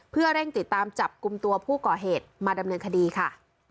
เพื่อเร่งติดตามจับกลุ่มตัวผู้ก่อเหตุมาดำเนินคดีค่ะ